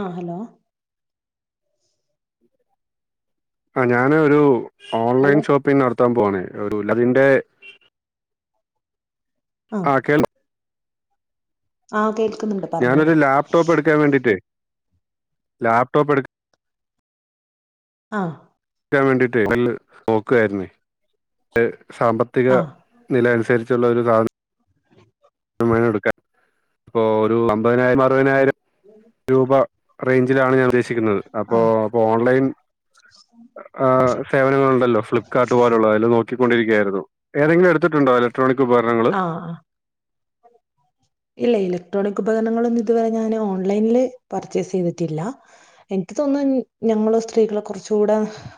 ആഹലോ അ ഞാന് ഒരു ഓൺലൈൻ ഹലോ ഷോപ്പിംഗ് നടത്താൻ പോവാണേ ഒരു ലതിന്റെ ആ കേരള ആ കേക്കു ഞാനൊരു ലാപ്ടോപ്പ് എടുക്കാൻ വേണ്ടീട്ട് ലാപ്ടോപ്പ് എടുക്ക ആ എടുക്കാൻ വേണ്ടീട്ടെ കല്ല് നോക്കു ക ആരുന്നെ സാമ്പത്തിക ആ നിലയനുസരിച്ച് റ്റൊള്ളവര് കാണി [unintelligible] എടുക്കാൻ ഇപ്പൊ ഒരു അമ്പതിനായിരം അറുപതിനായിരം രൂപ റേഞ്ചിലാണ് ഞാൻ ഉദ്ദേശിക്കുന്നത് ആ അപ്പോ അപ്പോ ഓൺലൈൻ സേവനങ്ങളുണ്ടല്ലോ ഫ്ലിപ്പ്കാർട്ട് പോലുള്ളത് അതില് നോക്കി കൊണ്ടിരിക്ക്യയാരുന്നു ഏതെങ്കിലും എടുത്തിട്ടുണ്ടോ ഇലക്ട്രോണിക് ഉപകരണങ്ങള് ആ ആ ഇല്ല ഇലക്ട്രോണിക് ഉപകരണങ്ങളൊന്നും ഇതുവരെ ഞാന് ഓൺലൈനില് പർച്ചേസ് ചെയ്തിട്ടില്ല എനിക്ക് തോന്നുന്നു ഞങ്ങള് സ്ത്രീകള് കൊറച്ചുടെ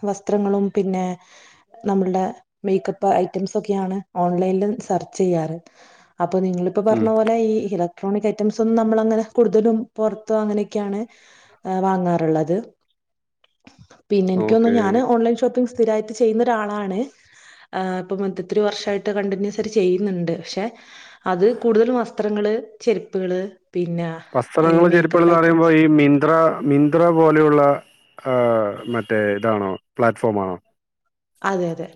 വസ്ത്രങ്ങളും പിന്നെ നമ്മളുടെ മേക്കപ്പ് ഐറ്റംസും ഒക്കെയാണ് ഓൺലൈനിലും സെർച്ച് ചെയ്യാറ് അപ്പൊ നിങ്ങളിപ്പൊ ഉം പറഞ്ഞ പോലെ ഇലക്ട്രോണിക് ഐറ്റസ് ഒന്നും നമ്മളങ്ങനെ കൂടുതലും പൊറത്ത് അങ്ങനെയൊക്കെയാണ് വാങ്ങാറുള്ളത് പിന്നെ എനിക്ക് തോന്നുന്നു ഓക്കേ ഞാന് ഓൺലൈൻ ഷോപ്പിങ്ങ് സ്ഥിരായിട്ട് ചെയ്യുന്ന ഒരാളാണ് വർഷമായിട്ട് കണ്ടിന്യൂസ് ചെയ്യുന്നുണ്ട് പക്ഷെ അത് കൂടുതൽ വസ്ത്ര- പാത്രങ്ങള് ചെരുപ്പുകള് പിന്നെ ഈ വസ്ത്രങ്ങള് ചെരുപ്പുകള് മേക്കപ്പ് എന്ന് പറയുമ്പോ ഐറ്റംസ് ഈ മിന്ത്ര മിന്ത്ര പോലെയുള്ള ആ മറ്റേ ഇതാണോ പ്ലാറ്റ്ഫോം ആണോ അതെ അതെ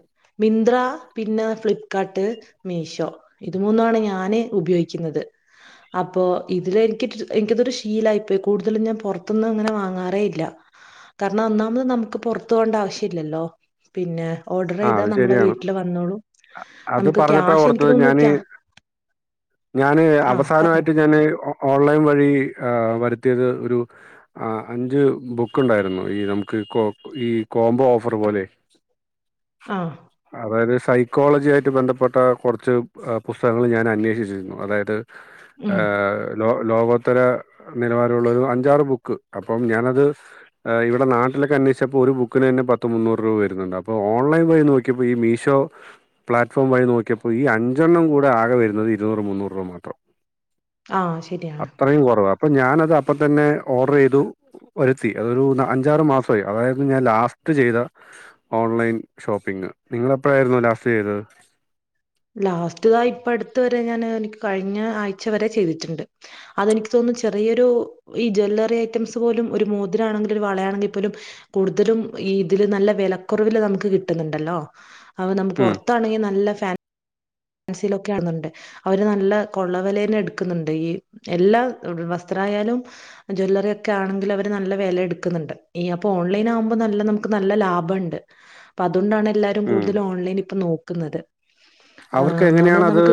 മിന്ത്ര പിന്നെ ഫ്ലിപ്കാർട്ട് മീഷോ ഇത് മൂന്നും ആണ് ഞാന് ഉപയോഗിക്കുന്നത് അപ്പോ ഇതിൽ എനിക്ക് എനിക്കതൊരു ശീലം ആയിപ്പോയി കൂടുതലും ഞാൻ പൊറത്തന്ന് അങ്ങനെ വാങ്ങാറേ ഇല്ല കാരണം ഒന്നാമത് നമുക്ക് പൊറത്തു പോകേണ്ട ആവശ്യം ഇല്ലല്ലോ പിന്നെ ആ അത് ശരിയാണ് വന്നോളും അ അത് നമുക്ക് പറഞ്ഞപ്പഴാ ക്യാഷ് എനിക്ക് ഓർത്തത് തോന്നുന്നു ഞാന് ക്യാ ഞാന് ആ പറഞ്ഞോ അവസാനമായിട്ട് ഞാന് ഓ ഓൺലൈൻ വഴി വരുത്തിയത് ഒരു അഞ്ച് ബുക്ക് ഉണ്ടായിരുന്നു ഈ നമുക്ക് കോ ഈ കോംബോ ഓഫർ പോലെ ആ അതായത് സൈക്കോളജി ആയിട്ട് ബന്ധപ്പെട്ട കൊറച്ച് പുസ്തകങ്ങൾ ഞാൻ അന്വേഷിച്ചിരുന്നു അതായത് ഏ ഉം ലോ ലോകോത്തര നിലവാരമുള്ള ഒരു അഞ്ചാറ് ബുക്ക് അപ്പം ഞാനത് ഇവിടെ നാട്ടിലൊക്കെ അന്വേഷിച്ചപ്പോ ഒരു ബുക്കിന് തന്നെ പത്ത് മുന്നൂറ് രൂപ വരുന്നുണ്ട് അപ്പോൾ ഓൺലൈൻ വഴി നോ ക്കിയപ്പോ ഈ മീഷോ പ്ലാറ്റ്ഫോം വഴി നോക്കിയപ്പോൾ ഈ അഞ്ചെണ്ണം കൂടെ ആകെ വരുന്നത് ഇരുന്നൂറ് മുന്നൂറ് രൂപ മാത്രം ആ ശരിയാണ് അപ്പോൾ ഞാനത് അപ്പം തന്നെ ഓർഡർ ചെയ്തു വരുത്തി അതൊരു അഞ്ചാറ് മാസമായി അതായത് ഞാൻ ലാസ്റ്റ് ചെയ്ത ഓൺലൈൻ ഷോപ്പിംഗ് നിങ്ങള് എപ്പഴായിരുന്നു ലാസ്റ്റ് ചെയ്തത് ലാസ്റ്റ് ദാ ഇപ്പം അടുത്ത് വരെ ഞാന് എനിക്ക് കഴിഞ്ഞ ആഴ്ച വരെ ചെയ്തിട്ടുണ്ട് അതെനിക്ക് തോന്ന ന്നു ചെറിയൊരു ഈ ജ്വല്ലറി ഐറ്റംസ് പോലും ഒരു മോതിരമാണെങ്കിൽ ഒരു വളയാണെങ്കിൽ പോലും കൂടുതലും ഈ ഇതില് നല്ല വെലക്കൊറവില് നമുക്ക് കിട്ടുന്നുണ്ടല്ലോ അവ നമ്മ ഉം പൊറത്താണെങ്കി നല്ല [unintelligible] ആണന്നൊണ്ട് അവര് നല്ല കൊള്ളവെല തന്നെ എടുക്കുന്നുണ്ട് ഈ എല്ലാ വസ്ത്രമായാലും ജുവല്ലറി ഒക്കെ ആണെങ്കില് അവര് നല്ല വെല എടുക്കുന്നുണ്ട് ഈ അപ്പൊ ഓൺലൈൻ ആവുമ്പോ നല്ല നമുക്ക് നല്ല ലാഭമുണ്ട് അതു കൊണ്ടാന്ന് എല്ലാരും ഉം കൂടുതലും ഓൺലൈൻ ഇപ്പോ നോക്കുന്നത് ക്കുന്നത് അവർക്ക് എങ്ങനെയാണ് അത്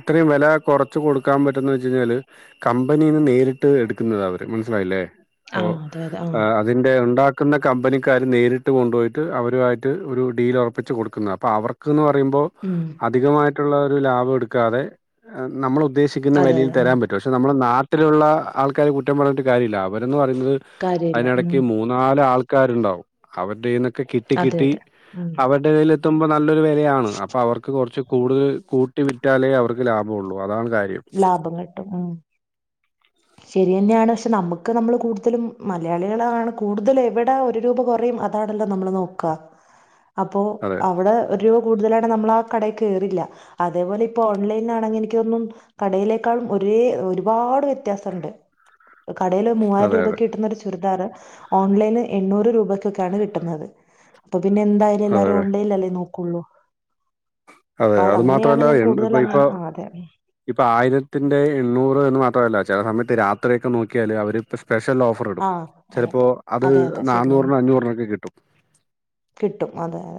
ഇത്രയും വെല കൊറച്ച് കൊടുക്കാൻ പറ്റുന്നത് പറഞ്ഞാല് കമ്പനിന്ന് നേരിട്ട് എടുക്കുന്നുന്നതാ അവര് മനസ്സിലായില്ലേ ആ! അപ്പോ അതെ, അതെ. ആ! അതിന്റെ ഒണ്ടാ ക്കുന്ന കമ്പനിക്കാര് നേരിട്ട് കൊണ്ടുപോയിട്ട് അവരുമായിട്ട് ഒരു ഡീല് ഒറപ്പിച്ച് കൊടുക്കുന്നതാ അപ്പോ അവര് [unintelligible] പറയുമ്പോൾ അധികമായിട്ട് മറ്റുള്ളവരുടെ ലാഭം എടുക്കാതെ നമ്മള് ഉദ്ദേശിക്കുന്ന അതെ, വെലയിൽ അതെ. ആ! തരാൻ പറ്റുവോ പക്ഷെ നമ്മുടെ നാട്ടി ട്ടിലുള്ള ആൾക്കാരെ കുറ്റം പറഞ്ഞിട്ട് കാര്യമില്ല അവരൊന്നും കാര്യമില്ല. അതിനെടക്ക് മൂന്നാല് ആൾ ക്കാരുണ്ടാവും അവരുടെ കൈ കിട്ടി അതെ, കിട്ടി അതെ. അവരുടെ കയ്യില് ത്ത നല്ലൊരു ാണ് അപ്പൊ അവർക്ക് കുറച്ച് കൂടുതൽ കൂട്ടി വിറ്റാലേ അവർക്ക് ലാഭമുള്ളു അതാണ് കാര്യം. ലാഭം കിട്ടും ഉം ശരി തന്നെയാണ് പക്ഷെ നമുക്ക് നമ്മള് കൂടുതലും മലയാളികളാണ് കൂടുതല എവിടെ ഒരു രൂപ കുറയും അതാണല്ലോ നമ്മൾ നോക്കുക അപ്പോ അതെ അവിടെ ഒരു കൂടുതലാണ് നമ്മൾ ആ കടയിൽ കേറില്ല അതേപോലെ ഇപ്പോ ഓൺലൈനിലാണെങ്കിൽ എനിക്കൊന്നും കടയിലേക്കാളും ഒരേ ഒരുപാട് വേ വ്യത്യാസുണ്ട് കടയിൽ മൂവായിര അതെ അതെ രൂപയ്ക്ക് കിട്ടുന്ന ഒരു ചുരു ധാർ ഓൺലൈനിന്ന് എണ്ണൂർ രൂപയി ക്കൊക്കെയാണ് കിട്ടുന്നത് അപ്പ പിന്നെ എന്തായാലും അതെ എല്ലാരും അതെ ഓൺലൈനിലല്ലേ നോക്കു ക്കുള്ളു അതെ അത് മാത്രല്ല കൂടുതൽ ഇപ്പ ഇപ്പൊ അങ്ങനെ ആ അതെ ഇപ്പൊ ആയിരത്തിന്റെ എണ്ണൂറ് എന്ന് മാത്രമല്ല ചില സമയത്ത് രാത്രിയൊക്കെ നോക്കിയാൽ അവർപ്പോ സ്പെഷ്യൽ ഓഫർ ഇടും ആ അതെ ചിലപ്പോൾ അത് അതെ അതെ ശരിയാണ് നന്നൂറിനും അഞ്ഞൂറിനൊക്കെ കിട്ടും കിട്ടും അതെ അതെ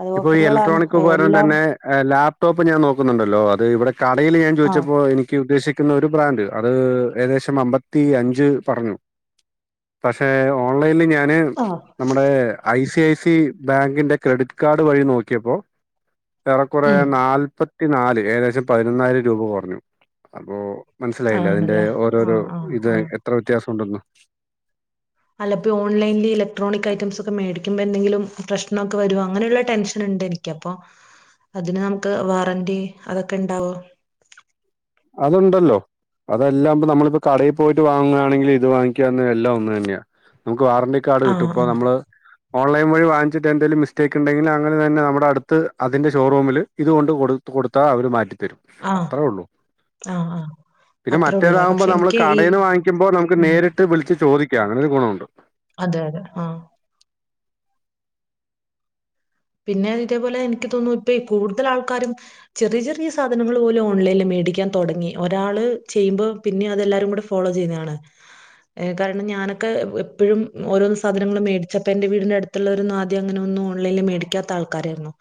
അത് ഇപ്പൊ ഈ ഓഫറുകളാണ് ഇലക്ട്രോണിക് ഉപകരണം എല്ലാം തന്നെ ലാപ്ടോപ്പ് ഞാൻ നോക്കുന്നുണ്ടല്ലോ അത് ഇവിടെ കടയിൽ ഞാൻ ആ ചോദിച്ചപ്പോൾ എനിക്ക് ഉദ്ദേശിക്ക ഒരു ബ്രാൻഡ് അത്‌ ഏകദേശം അമ്പത്തിയഞ്ചു പറഞ്ഞു പക്ഷെ ഓൺലൈനിൽ ഞാൻ അയിന് ആ നമ്മുടെ അരീഷ കെ സി ബാങ്കിന്റെ ക്രെഡിറ്റ് കാർഡ് വഴി നോക്കിയപ്പോ ഏറെക്കുറെ ഉം നാല്പത്തി എ നാല് ഏകദേശം പതിനൊന്നായിരം രൂപ കുറഞ്ഞു അപ്പോ മനസ്സിലായില്ല അതിന്റെ ആണല്ലേ ആ ഓരോരോ ആ ഇത് ആ എത്ര വ്യത്യാസം ഉണ്ടെന്നോ അല്ലപ്പോ ഓൺലൈനിൽ ഇലക്ട്രോണിക് ഐറ്റംസ് ഒക്കെ മേടിക്കുമ്പോ എന്തെങ്കിലും പ്രശ്നമൊക്കെ വരുവോ അങ്ങനെയുള്ള ടെൻഷൻ ഉണ്ട് എനിക്ക് അപ്പൊ അതിന് നമുക്ക് വാറന്റി അതൊക്കെ ഇണ്ടാവോ അതുണ്ടല്ലോ അതെല്ലാം ഇപ്പ നമ്മളിപ്പോ കടയിൽ പോയിട്ട് വാങ്ങുകയാണെങ്കിലിൽ ഇത് വാങ്ങിക്കുകന്ന് എല്ലാം ഒന്ന് തന്നെയാ വാറന്റി കാർഡ് ആ കിട്ടും ഇപ്പോ ആ നമ്മള് ഓൺലൈൻ വഴി വാങ്ങിച്ചിട്ട് എന്തങ്കിലും മിസ്റ്റേക്ക് ഉണ്ടെങ്കിൽ അങ്ങനെ തന്നെ നമ്മുടെ അടുത്ത് അതിന്റെ ഷോറൂമിൽ ഇത് കൊണ്ട് കൊടു കൊടുത്താൽ അവർ മാറ്റും തരും ആ അത്രേ ഉള്ളൂ ആ ആ പിന്നെ അത്രേ ഉള്ളൂല്ലേ മറ്റേതകുമ്പോ പക്ഷെ നമ്മൾ എനിക്ക് ഈ കടയിന്ന് വാങ്ങിക്കുമ്പോൾ നമുക്ക് ഉം നേരിട്ട് വിളിച്ച് ചോദിക്കാം അങ്ങനെ ഒരു ഗുണമുണ്ട് അതെ അതെ ആഹ് പിന്നെ ഇതേപോലെ എനിക്ക് തോന്നുന്നു ഇപ്പ ഈ കൂടുതൽ ആൾക്കാരും ചെറിയ ചെറിയ സാധനങ്ങൾ പോലും ഓൺലൈനിൽ മേടിക്കാൻ തുടങ്ങി ഒരാള് ചെയ്യുമ്പോ പിന്നെ അതെല്ലാരും കൂടെ ഫോളോ ചെയ്യതാണ് കാരണം ഞാനൊക്കെ എപ്പോഴും ഓരോന്ന സാധനങ്ങൾ മേടിച്ചപ്പോ എന്റെ വീടിന്റെറടുത്തുള്ള ആദ്യം അങ്ങനെ ഒന്നും ഓൺലൈനിൽ മേട കാത്ത ആൾക്കാരാരുന്നു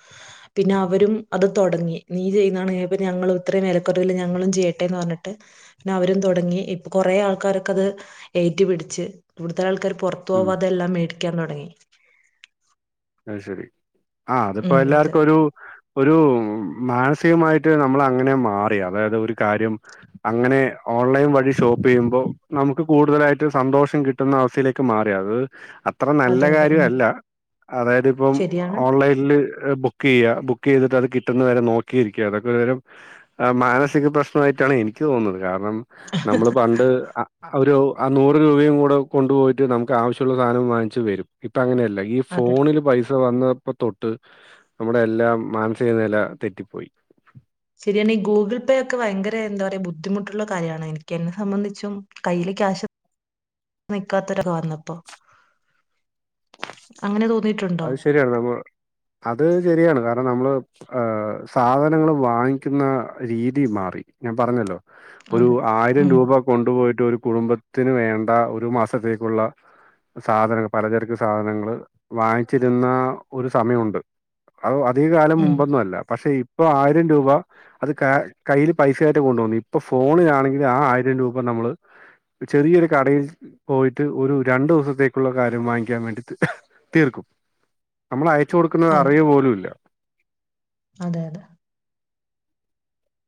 പിന്നെ അവരും അത് തുടങ്ങി നീ ചെയ്യുന്നതാണ് ഞങ്ങളും ഇത്രയും വിലക്കുറവില് ഞങ്ങളും ചെയ്യട്ടെന്ന് പറഞ്ഞിട്ട് പിന്നെ അവരും തുടങ്ങി കൊറേ ആൾക്കാരൊക്കെത് ഏറ്റ് പിടിച്ച് ഇവിടുത്തെ ആൾക്കാര് പുറത്ത് ഉം പോവാതെ എല്ലാം മേടി ക്കാൻ തുടങ്ങി അത് ശരി ആ അതിപ്പോ ഉം അതെ. എല്ലാർക്കും ഒരു ഒരു മാനസികമായിട്ട് നമ്മൾ അങ്ങനെ മാറി അതായത് ഒരു കാര്യം അങ്ങനെ ഓൺലൈന് വഴി ഷോപ്പ് ചെയ്യുമ്പോ നമുക്ക് കൂടുതലായിട്ട് സന്തോഷം കിട്ടുന്ന അവസ്ഥയിലേക്ക് മാറി അത് അത്ര നല്ല അതെ അതെ കാര്യം ഉം അല്ല അതായത് ഇപ്പം ശരിയാണ്. ഓൺലൈനില് ബുക്ക്‌ ബുക്ക് ചെയ്യുക ബുക്ക് ചെയ്തിട്ട് അത് കിട്ടുന്ന വരെ നോക്കിയിരിക്കുക അതൊക്കെ ഒരു തരം മാനസിക പ്രശ്നമായിട്ടാണ് എനിക്ക് തോന്നുന്നത് കാരണം നമ്മള് പണ്ട് അ ഒരു ആ നൂറ് രൂപയും കൂടെ കൊണ്ടുപോയിട്ട് നമുക്ക് ആവശ്യുള്ള സധനം വാങ്ങിച്ച് വരും ഇപ്പം അങ്ങനെയല്ല ഈ അതെ ഫോണില് പൈസ വന്നപ്പോ തൊട്ട് നമ്മുടെ എല്ലാം മാനസിക നില തെറ്റിപ്പോയി ശരിയാണ് ഈ ഗൂഗിൾ പേ ഒക്കെ ഭയങ്കര എന്താ പറയാ ബുദ്ധിമുട്ടുള്ള കാര്യമാണ് എനിക്ക് എന്നെ സംബന്ധിച്ചും കയ്യില് ക്യാഷ് നിക്കാത്തൊരു കാരണപ്പൊ അങ്ങനെ തോന്നി അത് ശരിയാണ് നമ്മള് അത് ശരിയാണ് കാരണം നമ്മള് ആ സാധനങ്ങൾ വാങ്ങിക്കുന്ന രീതിയും മാറി ഞാൻ പറഞ്ഞല്ലോ ഒരു അതെ ആയിരം ഉം രൂപ കൊണ്ടുപോയിട്ട് ഒരു കുടുംബത്തിന് വേണ്ട ഒരു മാസത്തേക്കുള്ള സാധനങ്ങള് പലചരക്ക് സാധനങ്ങള് വാങ്ങിച്ചിരുന്ന ഒരു സമയമുണ്ട് അത് അധിക കാലം ഉം മുമ്പൊന്നും അല്ല പക്ഷേ ഇപ്പൊ ആയിരം രൂപ അത് ക കയ്യിൽ പൈസയായിട്ട് കൊണ്ട പോന്നു ഇപ്പൊ ഫോണിലാണെങ്കിൽ ആ ആയിരം രൂപ നമ്മള് ചെറിയൊരു കടയിൽ പോയിട്ട് ഒരു രണ്ടു ദിവസത്തേക്കുള്ള കാര്യം വാങ്ങിക്കാൻ വേണ്ടിയിട്ട് തീർക്കും നമ്മള ആയി ച്ച് കൊടുക്കുന്നത് അതെ അറിയ പോലും ഇല്ല അതെ അതെ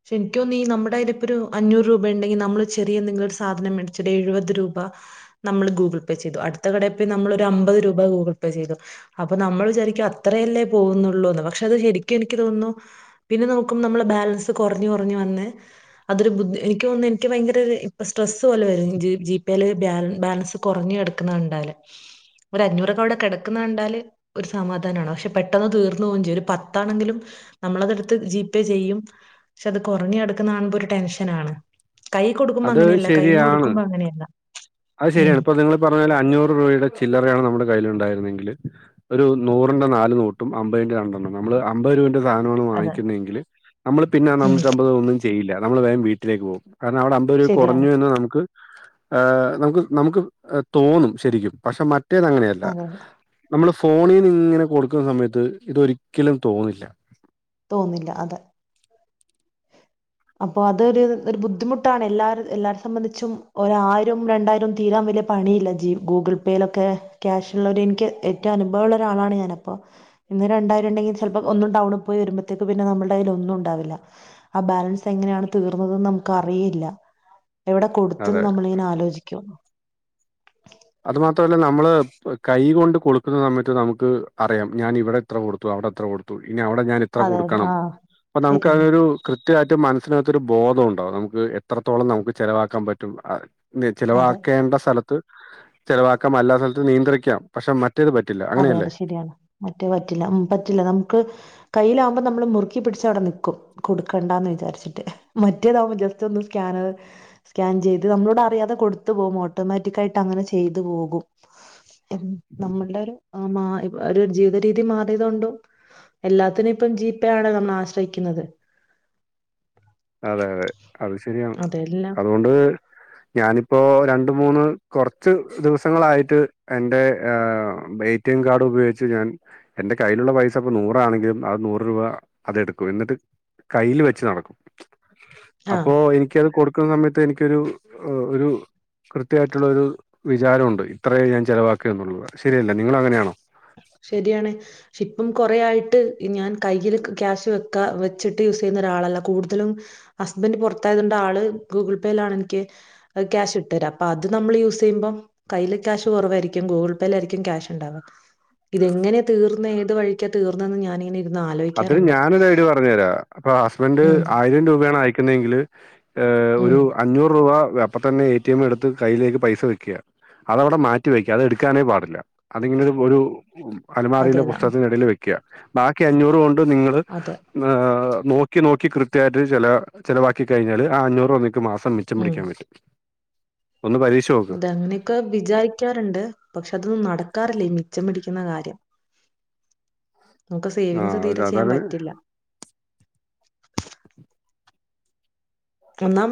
പക്ഷെ എനിക്ക് തോന്നുന്നു ഈ നമ്മുടെടുത്ത് ഇപ്പൊ ഒരു അഞ്ഞൂറ് രൂപ ഉണ്ടെങ്കിൽ നമ്മൾ ചെറിയ എന്തെങ്കിലും ഒരു സാധനം മേടിച്ചിട്ട് എഴുപത് രൂപ നമ്മള് ഗൂഗിൾ പേ ചെയ്തു അടുത്ത കടയിൽ പോയി നമ്മള് ഒരു അമ്പത് രൂപ ഗൂഗിൾ പേ ചെയ്തു അപ്പൊ നമ്മൾ വിചാരിക്കും അത്രയല്ലേ പോകുന്നുള്ളൂന്ന് പക്ഷേ അത് ശരിക്കും എനിക്ക് തോന്നുന്നു പിന്നെ നോക്കുമ്പ നമ്മളെ ബാലൻസ് ത് കൊറഞ്ഞ കൊറഞ്ഞ് വന്ന് അതൊരുബുദ്ധി എനിക്ക് തോന്നുന്നു എനിക്ക് ഭയങ്കര ഒരു ഇപ്പ സ്ട്രെസ്സ് പോലെ വര ജിപേ ബാലൻസ് കൊറഞ്ഞു കെടക്കുന്നത് കണ്ടാല് ഒരു അഞ്ഞൂറൊക്കെ അവിടെ കെടക്കുന്ന കണ്ടാല് ഒരു സമാധാനമാണ് പക്ഷേ പെട്ടെന്ന് തീർന്നു പോവുകയും ചെയ്യും ഒരു പത്താണെങ്കിലും നമ്മളതെടുത്ത് ജിപേ ചെയ്യും പക്ഷേ അത് കുറഞ്ഞഞ് കെടക്കുന്നത് കാണുമ്പോ ഒരു ടെൻഷൻ ആണ് അത് ശരിയാണ് അങ്ങനെയല്ല. ഉം അത്ശരിയാണ് ഇപ്പൊ നിങ്ങള് പറഞ്ഞല്ലോ അഞ്ഞൂറ് രൂപയുടെ ചില്ലറയാണ് നമ്മുടെ ക കയ്യിലുണ്ടായിരുന്നെങ്കില് ഒരു നൂറിന്റെ നാല് നോട്ടും അമ്പതിന്റെ രണ്ടെണ്ണം നമ്മ അത് രൂപ ന്റെ സാധനങ്ങൾ അതെ വങ്ങിക്കുന്നതെങ്കില് നമ്മള് പിന്നെ ആ ഉം നാന്നൂറ്റമ്പത് ഒന്നും ചെയ്യില്ല നമ്മള് വേഗം വീട്ടിലേക്ക് പോകും കാരണം അവിട തൊരു ശരിയാണ്. കുറഞ്ഞൂ എന്ന് നമുക്ക് ഏ നമുക്ക് നമുക്ക് തോന്നും ശരിക്കും പക്ഷേ മറ്റ മറ്റേത് അങ്ങനേയല്ല അതെ നമ്മള് ഫോണീന്ന് ഇങ്ങനെ കൊടുക്കുന്ന സമയത്ത് ഇതൊരിക്കലും തോന്നില്ല തോന്നില്ല അതെ അപ്പൊ അതൊരു ഒരു ബുദ്ധിമുട്ടാണ് എല്ലാരും എല്ലാരെ സംബന്ധിച്ചും ഒയിരം രണ്ടായിരം തീരാൻ വലിയ പണിയില്ല ജീ ഗൂഗിൾ പേയിലൊക്കെ ക്യാഷ്ള്ള എനിക്ക് ഏറ്റവും അനുഭവമുള്ള ഒരാളാണ് ഞാന് അപ്പ ഇന്ന് രണ്ടായിരം ഉണ്ടെങ്കിൽ ചിലപ്പോ ഒന്നും ടൗണിൽ പോയി വരുമ്പത്തേക്ക് പിന്നെ നമ്മുടെ കയ്യില് ഒന്നും ഉണ്ടാവില്ല ആ ബാലൻസ് എങ്ങനെയാണ് തീർന്നതന്ന് നമുക്ക് അറിയില്ല എവിടെ അതെ കൊടുത്തന്ന് നമ്മളിങ്ങനെ ആലോചിക്കും അത് മാത്രമല്ല നമ്മള് കൈ കൊണ്ട് കൊടുക്കുന്ന സമയത്ത് നമുക്ക് അറിയാം ഞാൻ ഇവിടെ എത്ര കൊടുത്തു അവിടെ എത്ര കൊടുത്തു ഇനി അവിടെ ഞാൻ ഇത്ര അതെ അതെ കൊടുക്കണം ആ അപ്പൊ നമുക്ക് ശരിയാണ് അതൊരു കൃ കൃത്യായിട്ട് മനസ്സിനകത്തൊരു ബോധം ഉണ്ടാവും നമുക്ക് എത്രത്തോളം നമുക്ക് ചിലവാക്കാൻ പറ്റും അ ഇ അതെ ചിലവാക്കേണ്ട സ്ഥലത്ത് ആ ചെലവാക്കാം അല്ലാ സ്ഥലത്തും നിയന്ത്രിക്കാം പക്ഷെ മറ്റ അതെയതെ ശരിയാണ് മറ്റേ പറ്റില്ല ഉ പറ്റില്ല നമുക്ക് കയ്യിലാവകുമ്പോൾ നമ്മൾ മുറുക്കി പിടിച്ച് അവിടെ നൽക്കും കൊടുക്കേണ്ടന്ന് വിചാരിച്ചിട്ട് മറ്റേതാവുമ്പോ ജസ്റ്റ് ഒന്ന് സ്കാനർ സ്കാൻ ചെയ്ത് നമ്മളോടെ അറിയാതെ കൊടുത്തു പോക്പോൾ ഓട്ടോമാറ്റിിക്ക ആയിട്ട് അങ്ങനെ ചെയ്തു പോകും നമ്മളുടെ ഒരു ആ മാ ഒരു ജീവിതരീതി മാറിയതൊണ്ടും എല്ലാത്തിനും ഇപ്പം ജി പേ ആണ് നമ്മൾ ആശ്രയിക്കുന്നത് അതെ അതെ അത് ശരിയാണ് അതെല്ലാം അതുകൊണ്ട് ഞാനിപ്പോൊ രണ്ട മൂന്ന് കുറച്ച് ദിവസങ്ങളായിട്ട് എറെ എടി എം കാർഡ് ഉപയോഗിച്ച് ഞാൻ എന്റെ കയ്യിലുള്ള പൈസ ഇപ്പ നൂറാണെങ്കിലും അത് നൂറ് രൂപ അത്െടുക്കും എന്നിട്ട് കയ്ൽ വെച്ച് നടക്കും ആഹ് അപ്പോൊ എനിക്കത് കൊടുക്ക ുന്ന സമയത്ത് എനിക്കൊരു ഒരു കൃത്യമായിട്ടുള്ള ഒരു വിചാരമുണ്ട് ഇത്രയേ ഞാൻ ചെലവാക്കുക എന്നുള്ളത് ശരിയല്ല നിങ്ങ അങ്ങനെയാണോ ശരിയാണ് പക്ഷെ ഇപ്പം കൊറേ ആായിട്ട് ഞാൻ കയ്യിൽ ക്യാഷ് വെക്കാ വെച്ചിട്ട് യൂസ് ചെയ്യുന്ന ഒരാളല്ല കൂടുതലും ഹസ്ബന്ഡറ് പുറത്തായതുണ്ട ആള് ഗൂഗിൾ പേയില ആാണ് എനിക്ക് ക്യാഷ് ഇട്ടുരാ അപ്പൊ അത് നമ്മള് യൂസ് ചെയ്യുമ്പം കയ്യിൽ ക്യാഷ് കുറവായിരിക്കും ഗൂഗിൾ പേയിലായിരിക്കും ക്യാഷ് ഉണ്ടാാവുക ഇതെങ്ങനെയ തീർന്ന ഏത് വഴിക്കാ തീർന്നതന്ന് ഞാനിങ്ങനെയ അതിന് ഞാനൊരു ഐഡിയ പറഞ്ഞു തരാ അപ്പൊ ഹസ്ബൻഡ് ഉം. ആയിരം രൂപയാണ് അയക്കുന്നതെങ്കില് ഉം. ഒരു അഞ്ഞൂറ് രൂപ അപ്പ തന്നെ എ ടി എം എടുത്ത് കയ്യിലേക്ക് പൈസ വയ്ക്കുക അതവിടെ മാറ്റി വെക്കുക അത് എടുക്കാനേ പാടില്ല അതിങ്ങനെ ഒരു അതെ അലമാറയിലെ അതെ. ആ, പുസ്കത്തിനിടയിൽ വ ബാക്കി അഞ്ഞൂറ് നിങ്ങ അതെ. നോക്കി നോക്കി കൃത്യമായിട്ട് ചില ചിലവാക്കി കഴിഞ്ഞാല് ആ അഞ്ഞൂറ് വ മാസം മിച്ചം ഉം. പിടിക്കാൻ പറ്റും ഒന്ന് പരീക്ഷ നോക്ക് അതെ അങ്ങനെയൊക്കെ വിചാരിക്കാറുണ്ട് പക്ഷെ അതൊന്നും നടക്കാറില്ലേ മിച്ചം പിടിക്കുന്ന കാര്യം നമുക്ക് ആ സേവിങ്സ് അത് തീരെ ചെയ്യാൻ അതങ്ങനെ പറ്റില്ല കണാമതി